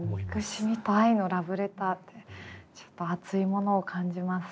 憎しみと愛のラブレターってちょっと熱いものを感じますけれども。